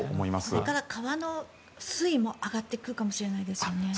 これから川の水位も上がってくるかもしれないですよね。